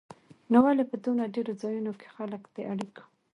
نو ولې په دومره ډېرو ځایونو کې خلک د اړیکو